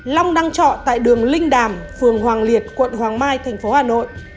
long đang trọ tại đường linh đàm phường hoàng liệt quận hoàng mai tp hà nội